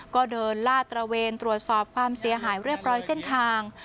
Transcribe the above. ก็เดินลาดตระเวนตรวจสอบความเสียหายเรียบร้อยเส้นทาง